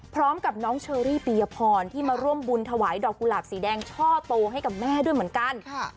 พร้อมกับน้องเชอรี่ปียพรที่มาร่วมบุญถวายดอกกุหลาบสีแดงช่อโตให้กับแม่ด้วยเหมือนกัน